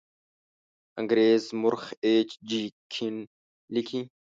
انګریز مورخ ایچ جي کین لیکي.